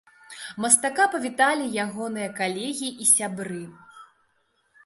Мастака павіталі ягоныя калегі і сябры.